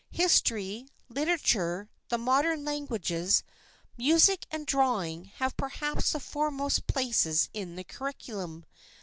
History, literature, the modern languages, music and drawing have perhaps the foremost places in the curriculum.